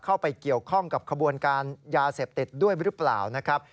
เข้าไปเกี่ยวข้องกับขบวนการยาเสพติดด้วยหรือเปล่านะครับ